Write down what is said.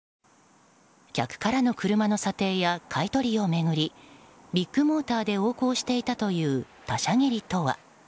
客からの車の査定や買い取りを巡りビッグモーターで横行していたという他者切りとは？